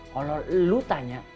kalau lo tanya